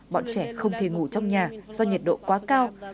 bọn trẻ không thể ngủ trong nhà do nhiệt độ quá cao